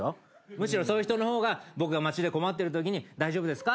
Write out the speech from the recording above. むしろそういう人の方が僕が街で困ってるときに大丈夫ですか？